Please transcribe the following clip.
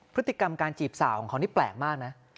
พฤติกรรมการจีบสาวของเขานี่แปลกมากนะ